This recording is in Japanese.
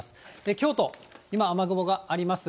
京都、今、雨雲がありますが。